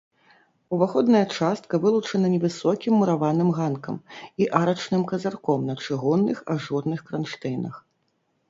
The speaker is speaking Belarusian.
Уваходная частка вылучана невысокім мураваным ганкам і арачным казырком на чыгунных ажурных кранштэйнах.